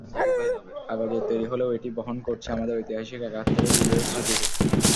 কাগজের তৈরি হলেও এটি বহন করছে আমাদের ঐতিহাসিক একাত্তরের বিজয়ের স্মৃতি।